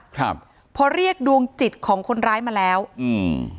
ครับพอเรียกดวงจิตของคนร้ายมาแล้วอืม